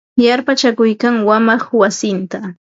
Yarpachakuykan wamaq wasinta.